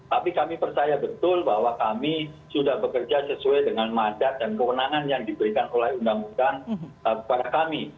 tapi kami percaya betul bahwa kami sudah bekerja sesuai dengan mandat dan kewenangan yang diberikan oleh undang undang kepada kami